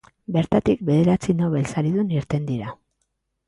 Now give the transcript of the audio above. Bertatik, bederatzi Nobel Saridun irten dira.